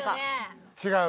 違う。